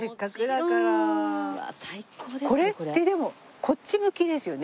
これってでもこっち向きですよね？